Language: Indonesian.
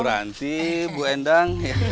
bu ranti bu endang